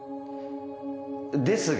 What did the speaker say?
ですが